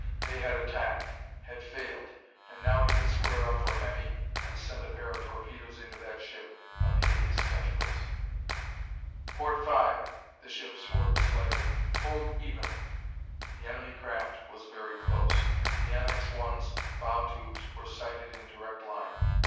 They had attacked; had failed and now he could square up for Hemmy and send a pair of torpedoes into that ship of hideous tentacles. "Port five!" The ship swerved slightly. "Hold even!" The enemy craft was very close. The NX 1's bow tubes were sighted in direct line.